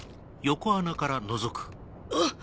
あっ！